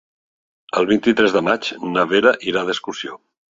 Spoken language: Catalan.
El vint-i-tres de maig na Vera irà d'excursió.